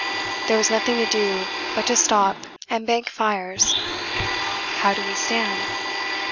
There was nothing to do but to stop and bank fires. How do we stand?